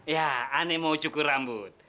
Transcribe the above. ya aneh mau cukur rambut